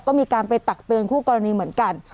ก็มีการไปตักเตือนคู่กรณีเหมือนกัน